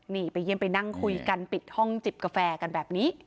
นี่ไปเยี่ยมไปนั่งคุยกันปิดห้องจิบกาแฟกันแบบนี้